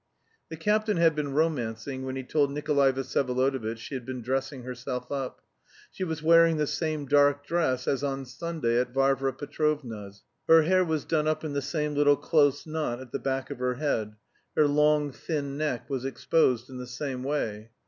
The captain had been romancing when he told Nikolay Vsyevolodovitch she had been dressing herself up. She was wearing the same dark dress as on Sunday at Varvara Petrovna's. Her hair was done up in the same little close knot at the back of her head; her long thin neck was exposed in the same way.